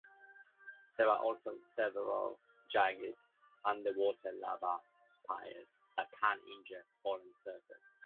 There are also several jagged, underwater lava spires that can injure fallen surfers.